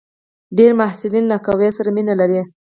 ډېری محصلین له قهوې سره مینه لري.